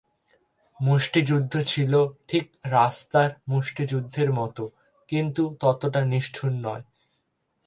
মুষ্টিযুদ্ধ ছিল ঠিক রাস্তার মুষ্টিযুদ্ধের মত, কিন্তু ততটা নিষ্ঠুর নয়।